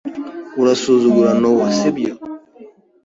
Urasuzugura Nowa, sibyo?